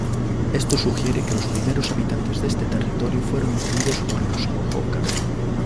Esto sugiere que los primeros habitantes de este territorio fueron influidos por los hohokam.